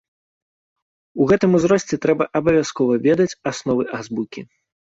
У гэтым узросце трэба абавязкова ведаць асновы азбукі.